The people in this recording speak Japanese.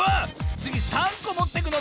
つぎ３こもってくの？